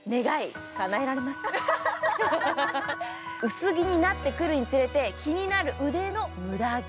薄着になってくるにつれて気になってくる腕の無駄毛。